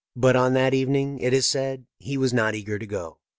But on that evening, it is said, he was not eager to go.